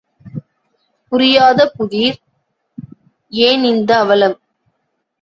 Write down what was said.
புரியாத புதிர், ஏன் இந்த அவலம்?